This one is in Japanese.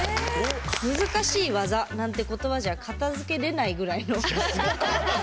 難しい技なんて言葉じゃ片づけれないぐらいの。